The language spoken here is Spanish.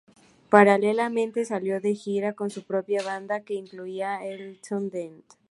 Paralelamente salió de gira con su propia banda, que incluía a Elton Dean.